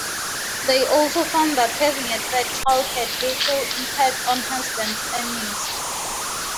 They also found that having a third child had little impact on husbands' earnings.